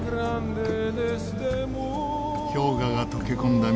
氷河が溶け込んだ